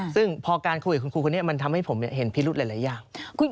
ซึ่งพอการคุยกับคุณครูคนนี้มันทำให้ผมเห็นพิรุธหลายอย่าง